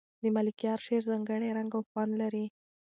د ملکیار شعر ځانګړی رنګ او خوند لري.